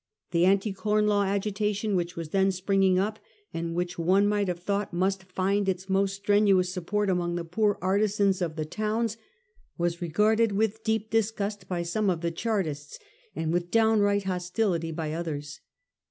The Anti Com Law agitation which was then springing up, and which, one might have thought, must find its most strenuous support among the poor artisans of the 124 A HISTORY OF OUR OWN TIMES. CH. T. towns, was regarded with, deep disgust by some of the Chartists, and with downright hostility by others.